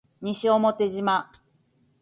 西表島